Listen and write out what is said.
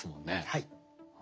はい。